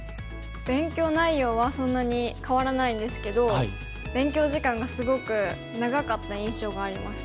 勉強内容はそんなに変わらないんですけど勉強時間がすごく長かった印象があります。